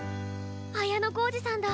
綾小路さんだ。